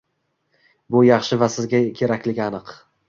Bu yaxshi va sizga kerakligi aniq.